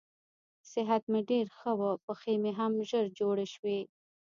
صحت مې ډېر ښه و، پښې مې هم ژر جوړې شوې.